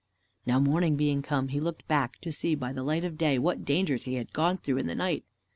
Now morning being come, he looked back to see by the light of day what dangers he had gone through in the night.